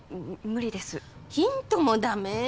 無理ですヒントもダメ？